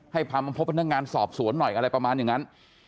ให้พามาพบพนักงานสอบสวนหน่อยอะไรประมาณอย่างนั้น